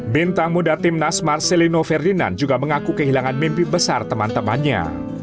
bintang muda timnas marcelino ferdinand juga mengaku kehilangan mimpi besar teman temannya